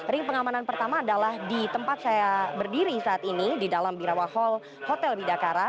ring pengamanan pertama adalah di tempat saya berdiri saat ini di dalam birawal hotel bidakara